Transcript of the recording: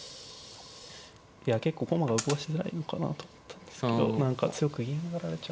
いや結構駒が動かしづらいのかなと思ったんですけど何か強く銀をやられちゃって。